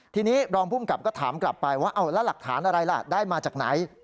ทีนี้รองภูมิกับก็ถามกลับไปว่าแล้วหลักฐานอะไรล่ะได้มาจากไหน